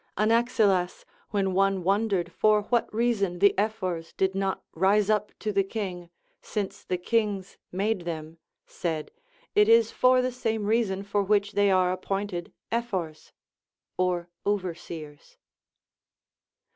Anaxilas, when one wondered for what reason the Ephors did not rise up lo the king, since the kings made them, said, It is for the same reason for which they are appointed Ephors (or overseers).